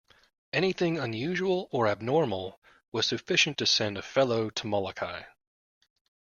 Anything unusual or abnormal was sufficient to send a fellow to Molokai.